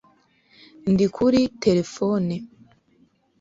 Ndi kuri terefone